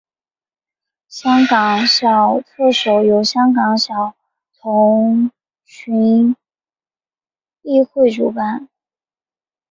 香港小特首由香港小童群益会主办。